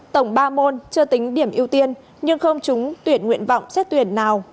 tổng ba môn chưa tính điểm ưu tiên nhưng không trúng tuyển nguyện vọng xét tuyển nào